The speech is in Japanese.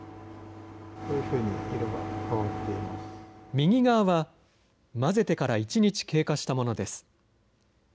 右側は、混ぜてから１日経過したものです。